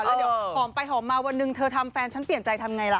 แล้วเดี๋ยวหอมไปหอมมาวันหนึ่งเธอทำแฟนฉันเปลี่ยนใจทำไงล่ะ